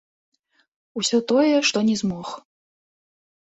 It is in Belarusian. Усё тое, што не змог.